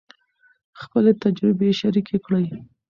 خپلې تجربې شریکې کړئ.